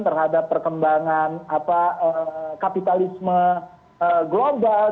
terhadap perkembangan kapitalisme global